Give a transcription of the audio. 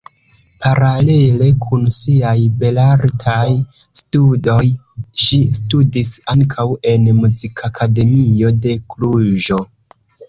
Paralele kun siaj belartaj studoj ŝi studis ankaŭ en muzikakademio de Kluĵo.